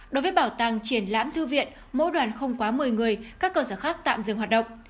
đối với bảo tàng triển lãm thư viện mỗi đoàn không quá một mươi người các cơ sở khác tạm dừng hoạt động